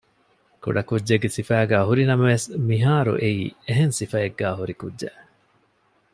ކުޑަކުއްޖެއްގެ ސިފައިގައި ހުރި ނަމަވެސް މިހާރު އެއީ އެހެން ސިފައެއްގައި ހުރި ކުއްޖެއް